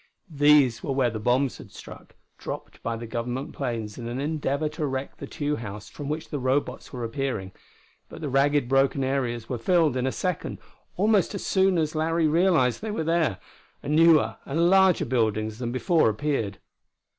These were where the bombs had struck, dropped by the Government planes in an endeavor to wreck the Tugh house from which the Robots were appearing. But the ragged, broken areas were filled in a second almost as soon as Larry realized they were there and new and larger buildings than before appeared.